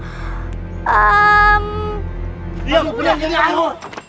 diam jangan jadi anu